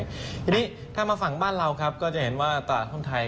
ทีนี้ถ้ามาฝั่งบ้านเราครับก็จะเห็นว่าตลาดหุ้นไทย